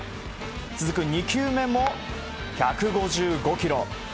続く２球目も１５５キロ。